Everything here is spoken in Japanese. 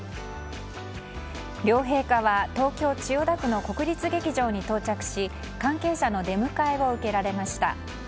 両陛下は、東京・千代田区の国立劇場に到着し関係者の出迎えを受けられました。